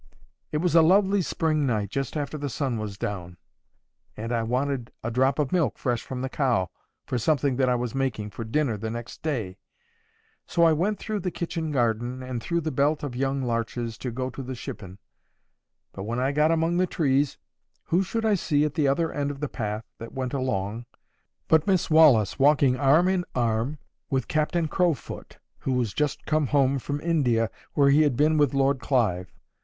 It was a lovely spring night, just after the sun was down, and I wanted a drop of milk fresh from the cow for something that I was making for dinner the next day; so I went through the kitchen garden and through the belt of young larches to go to the shippen. But when I got among the trees, who should I see at the other end of the path that went along, but Miss Wallis walking arm in arm with Captain Crowfoot, who was just home from India, where he had been with Lord Clive.